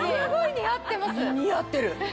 似合ってる。